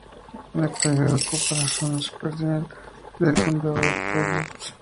En la actualidad ocupa la zona septentrional del condado de Powys.